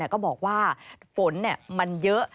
ก็บอกว่าฝนมันเยอะ